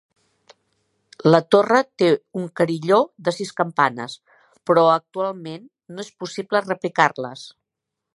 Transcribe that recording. La torre té un carilló de sis campanes, però actualment no es possible repicar-les.